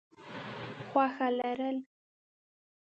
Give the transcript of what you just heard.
خوښه لرل: